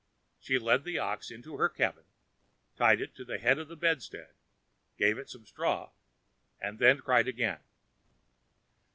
She led the ox into her cabin, tied it to the head of her bedstead, gave it some straw, and then cried again.